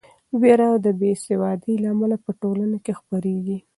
وېره د بې سوادۍ له امله په ټولنه کې خپریږي.